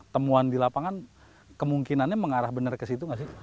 temuan di lapangan kemungkinannya mengarah benar ke situ nggak sih